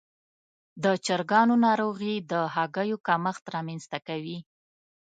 د چرګانو ناروغي د هګیو کمښت رامنځته کوي.